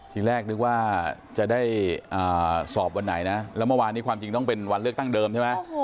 ทีแรกนึกว่าจะได้สอบวันไหนนะแล้วเมื่อวานนี้ความจริงต้องเป็นวันเลือกตั้งเดิมใช่ไหม